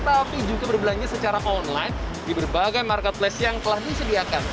tapi juga berbelanja secara online di berbagai marketplace yang telah disediakan